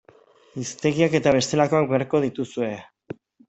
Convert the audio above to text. Hiztegiak eta bestelakoak beharko dituzue.